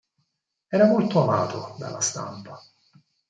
Era molto amato dalla stampa.